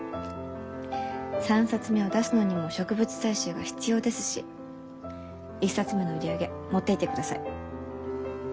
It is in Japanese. ３冊目を出すのにも植物採集が必要ですし１冊目の売り上げ持っていってください。